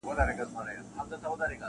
مور لږ هوش ته راځي خو لا هم کمزورې ده,